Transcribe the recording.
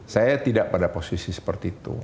saya tidak pada posisi seperti itu